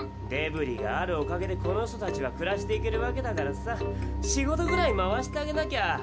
デブリがあるおかげでこの人たちは暮らしていけるわけだからさ仕事ぐらい回してあげなきゃ。